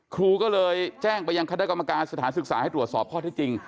ครูก็เลยแจ้งไปยังคณะกรรมการสถานศึกษาให้ตรวจสอบข้อที่จริง